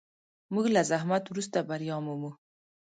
موږ له زحمت وروسته بریا مومو.